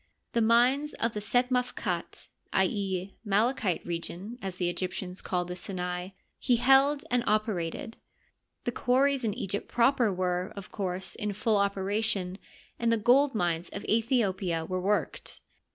The mines of the Set Mafkat — i. e., " Malachite Region," as the Egyptians called the Sinai — he held and operated. The quarries in Egypt proper were, of course, in full operation, and the gold mines of Aethiopia were worked.